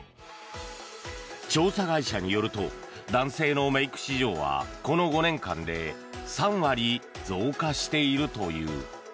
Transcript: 調査会社によると男性のメイク市場はこの５年間で３割増加しているという。